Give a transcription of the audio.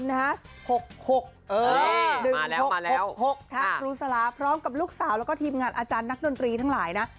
ครูสลาพร้อมกับลูกสาวแล้วก็ทีมงานอาจารย์นักดนตรีทั้งหลายนะ